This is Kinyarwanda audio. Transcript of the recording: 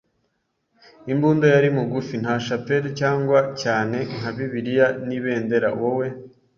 Imbunda yari mugufi - nta shapeli, cyangwa cyane nka Bibiliya n'ibendera, wowe